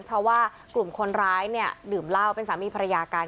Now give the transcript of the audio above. เพราะว่ากลุ่มคนร้ายเนี่ยดื่มเหล้าเป็นสามีภรรยากัน